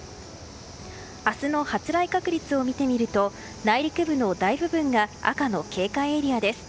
明日の発雷確率を見てみると内陸部の大部分が赤の警戒エリアです。